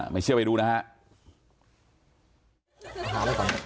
ไม่เชื่อไปดูนะฮะ